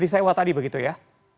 disewa tadi begitu ya